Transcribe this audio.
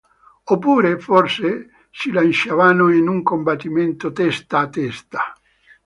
Oppure, forse, si lanciavano in un combattimento testa a testa.